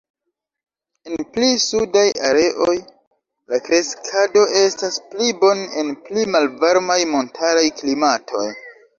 En pli sudaj areoj, la kreskado estas pli bone en pli malvarmaj montaraj klimatoj.